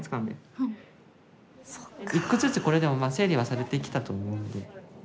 １個ずつこれでもまあ整理はされてきたと思うんで。